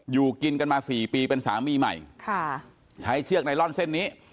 อยู่กินกันมาสี่ปีเป็นสามีใหม่ค่ะใช้เชือกไนลอนเส้นนี้